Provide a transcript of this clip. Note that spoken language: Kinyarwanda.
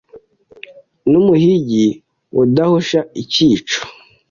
N’umuhigi udahusha icyico